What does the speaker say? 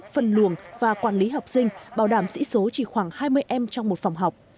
phân luồng và quản lý học sinh bảo đảm dĩ số chỉ khoảng hai mươi em trong một phòng học